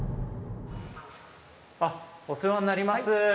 あっお世話になります。